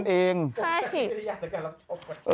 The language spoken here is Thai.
ใช่ใช้วิญญาณในการรับชมก่อน